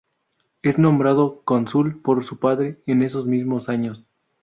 Es nombrado cónsul por su padre en esos mismos años.